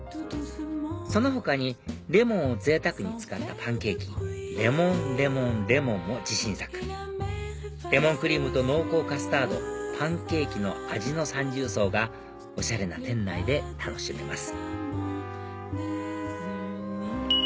その他にレモンをぜいたくに使ったパンケーキれもん×Ｌｅｍｏｎ×レモンも自信作レモンクリームと濃厚カスタードパンケーキの味の三重奏がおしゃれな店内で楽しめます